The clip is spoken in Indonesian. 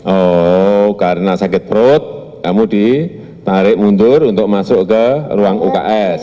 oh karena sakit perut kamu ditarik mundur untuk masuk ke ruang uks